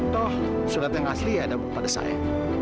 toh surat yang asli ada pada saya